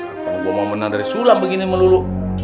apa gue mau menang dari sulam begini melulu